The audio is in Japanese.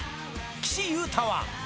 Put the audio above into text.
岸優太は。